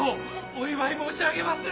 お祝い申し上げまする！